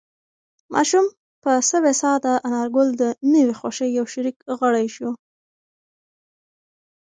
ماشوم په سوې ساه د انارګل د نوې خوښۍ یو شریک غړی شو.